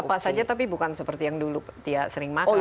apa saja tapi bukan seperti yang dulu dia sering makan